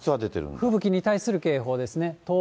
吹雪に対する警報ですね。